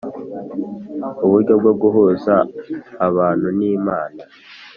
Uburyo bwo guhuza abantu n'Imana.